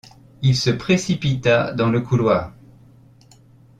Il se précipita dans le couloir.